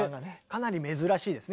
かなり珍しいですね